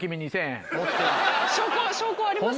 証拠はあります？